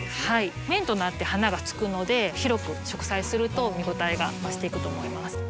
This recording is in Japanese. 面となって花がつくので広く植栽すると見応えが増していくと思います。